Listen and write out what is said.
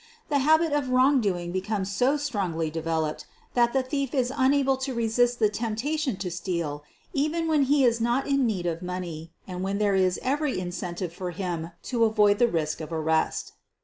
The habit of wrongdoing becomes so strongly developed that the thief is unable to resist the temptation to steal even when he is not in need of money and when there is every incentive for him to avoid the risk of ar rest.